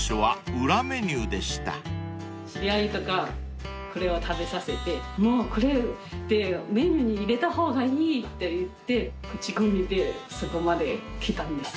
知り合いとかこれを食べさせて「もうこれってメニューに入れた方がいい！」って言って口コミでそこまできたんです。